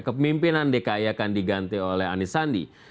kepemimpinan dki akan diganti oleh anies sandi